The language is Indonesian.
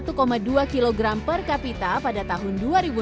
kopi ini juga menjadi kekuatan yang terbaik di kapita pada tahun dua ribu enam belas